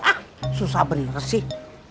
ah susah beriris sih